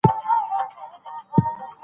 لومړۍ دوره کلاسیکه یا لرغونې ده.